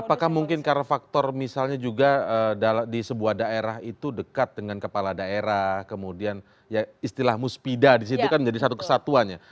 apakah mungkin karena faktor misalnya juga di sebuah daerah itu dekat dengan kepala daerah kemudian ya istilah muspida disitu kan menjadi satu kesatuannya